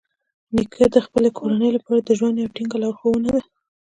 نیکه د خپلې کورنۍ لپاره د ژوند یوه ټینګه لارښونه ده.